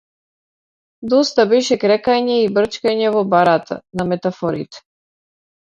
Доста беше крекање и брчкање во барата на метафорите.